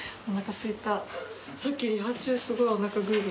すいたさっきリハ中すごいおなかググ